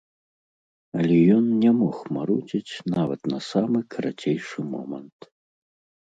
Але ён не мог марудзіць нават на самы карацейшы момант.